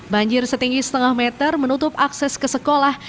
banjir setinggi setengah meter menutup akses ke sekolah